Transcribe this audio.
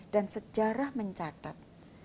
dan sejarah mencatat